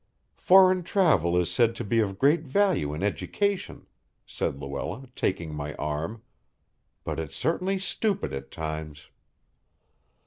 "Foreign travel is said to be of great value in education," said Luella, taking my arm, "but it's certainly stupid at times."